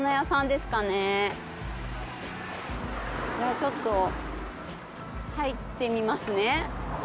ちょっと入ってみますね。